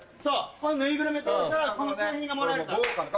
このぬいぐるみ倒したらこの景品がもらえるから。